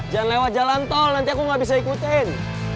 jangan lewat jalan tol nanti aku nggak bisa ikutin